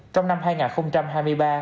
trong năm hai nghìn hai mươi ba